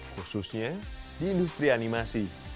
khususnya di industri animasi